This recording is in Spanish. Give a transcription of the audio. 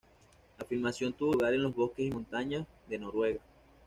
La filmación tuvo lugar en los bosques y montañas de Noruega.